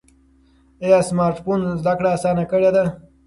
ایا سمارټ فون زده کړه اسانه کړې ده؟